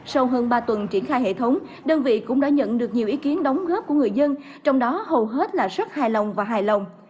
sau hơn ba tuần triển khai hệ thống đơn vị cũng đã nhận được nhiều ý kiến đóng góp của người dân trong đó hầu hết là rất hài lòng và hài lòng